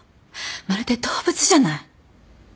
まるで動物じゃない！